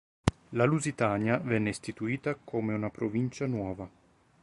La Lusitania venne istituita come una provincia nuova.